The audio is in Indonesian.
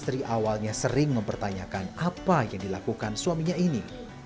dia sering mempertanyakan apa yang dilakukan suaminya ini